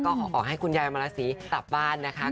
ก็ขอให้คุณยายมาราศีกลับบ้านนะคะ